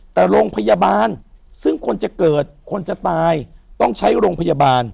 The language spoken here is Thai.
แต่โรงพยาบาลซึ่งคนจะเกิดคนจะตายต้องใช้โรงพยาบาล